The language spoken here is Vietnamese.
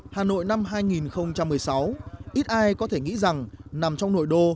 hà nội năm hai nghìn một mươi sáu ít ai có thể nghĩ rằng nằm trong nội đô